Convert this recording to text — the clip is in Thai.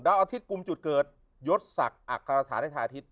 ดาวอาทิตย์กลุ่มจุดเกิดยศสักอักษรฐานในชาติอาทิตย์